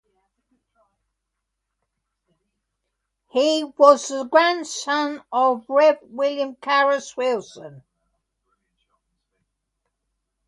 He was grandson of Rev William Carus Wilson.